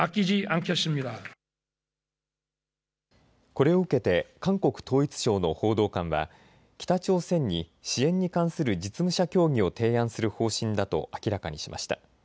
これを受けて韓国統一省の報道官は北朝鮮に支援に関する実務者協議を提案する方針だと明らかにしました。